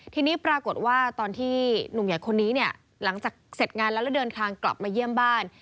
ทีนี้ปรากฏว่าตอนที่หนุ่มใหญ่คนนี้เนี่ยหลังจากเสร็จงานแล้วแล้วเดินทางกลับมาเยี่ยมบ้าน